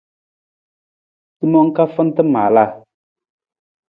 Simang ka fanta maalaa.